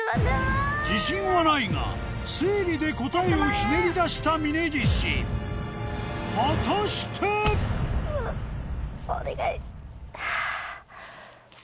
自信はないが推理で答えをひねり出した峯岸果たして⁉うっお願い！